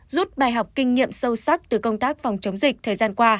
rút bài học kinh nghiệm sâu sắc từ công tác phòng chống dịch thời gian qua